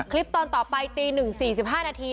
คลิปตอนต่อไปตี๑๔๕นาที